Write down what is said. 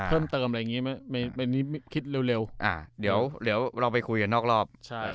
เพิ่มเติมอะไรอย่างงี้ไม่ไม่ไม่คิดเร็วเร็วอ่าเดี๋ยวเราไปคุยกันนอกรอบใช่